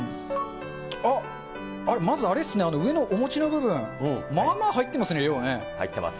あっ、あれ、まずあれっすね、上のお餅の部分、まあまあ入ってますね、入ってます。